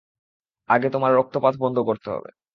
আগে তোমার রক্তপাত বন্ধ করতে হবে।